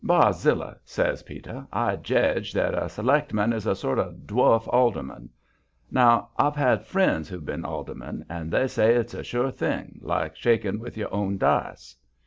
"Barzilla," says Peter, "I jedge that a selectman is a sort of dwarf alderman. Now, I've had friends who've been aldermen, and they say it's a sure thing, like shaking with your own dice.